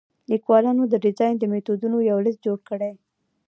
لیکوالانو د ډیزاین میتودونو یو لیست جوړ کړی.